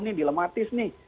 ini dilematis nih